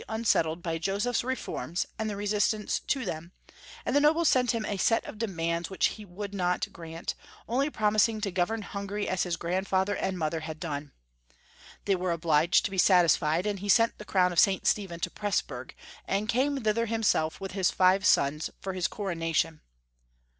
unsettled by Joseph's reforms and the resistance to them, and the nobles sent him a set of demands which he would not grant, only promising to gov ern Hungary as his grandfather and mother had • done. They were obliged to be satisfied, and he sent the crown of St. Stephen to Presburg, and came thither himself, with his five sons, for his cor onation.